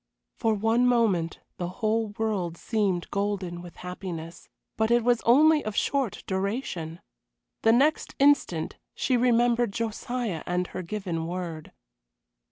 For one moment the whole world seemed golden with happiness; but it was only of short duration. The next instant she remembered Josiah and her given word.